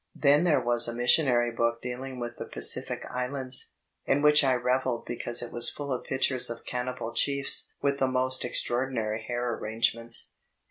Then there was a missionary book dealing with the Pacific Islands, in which I revelled because it was full of pictures of cannibal chiefs with die most extraordinary hair arrange ments.